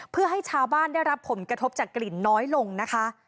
เพื่อให้ชาวบ้านได้รับผลกระทบจากกลิ่นน้อยลงนะคะ